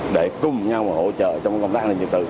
để cùng nhau hỗ trợ trong công tác an ninh trật tự